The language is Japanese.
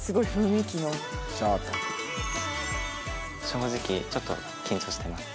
正直ちょっと緊張してます。